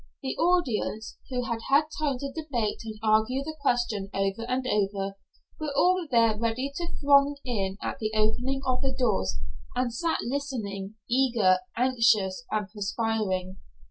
The audience, who had had time to debate and argue the question over and over, were all there ready to throng in at the opening of the doors, and sat listening, eager, anxious, and perspiring.